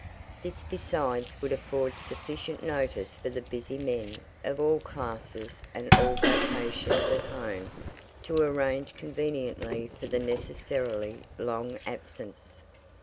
This besides would afford sufficient notice for the busy men of all classes and all vocations at Home to arrange conveniently for the necessarily long absence.